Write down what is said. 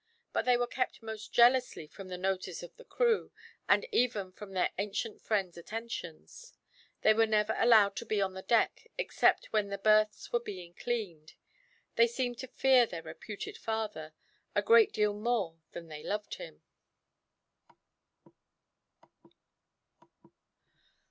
But they were kept most jealously from the notice of the crew, and even from their ancient friend's attentions; they were never allowed to be on the deck, except when the berths were being cleaned. They seemed to fear their reputed father, a great deal more than they loved him.